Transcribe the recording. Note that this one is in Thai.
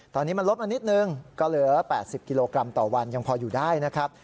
ตอนนี้มันลดมานิดนึงก็เหลือ๘๐กิโลกรัมต่อวันยังพออยู่ได้นะครับ